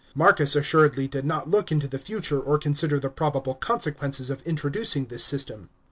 Marcus assuredly did not look into the future or consider the probable consequences of introducing this system.